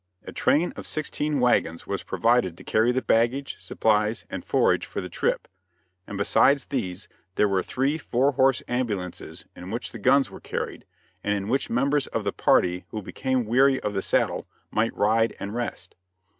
A train of sixteen wagons was provided to carry the baggage, supplies, and forage for the trip; and, besides these, there were three four horse ambulances in which the guns were carried, and in which members of the party who became weary of the saddle might ride and rest.